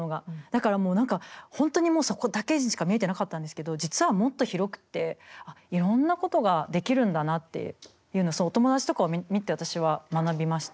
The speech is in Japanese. だからもう何か本当にもうそこだけしか見えてなかったんですけど実はもっと広くていろんなことができるんだなっていうのをお友達とかを見て私は学びました。